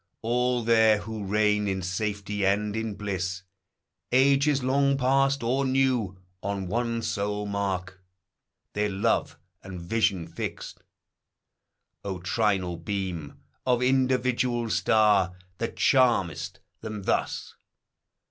All there, who reign in safety and in bliss, Ages long past or new, on one sole mark Their love and vision fixed. O trinal beam Of individual star, that charm'st them thus